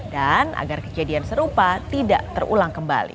agar kejadian serupa tidak terulang kembali